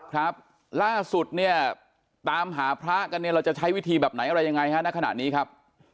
ครับล่าสุดเนี่ยตามหาพระกันเนี่ยเราจะใช้วิธีแบบไหนอะไรยังไงฮะณขณะนี้ครับ